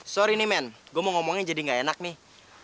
sorry nih men gua mau ngomongnya jadi gak enak nih